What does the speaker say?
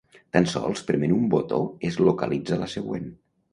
Tan sols prement un botó es localitza la següent.